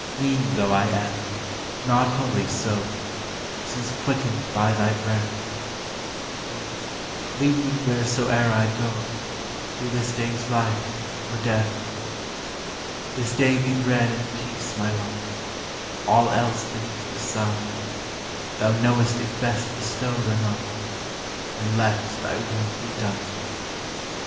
Mean though I am, not wholly so, Since quickened by thy breath; O, lead me wheresoe'er I go, Through this day's life or death! This day be bread and peace my lot; All else beneath the sun, Thou knowest if best bestowed or not, And let thy will be done.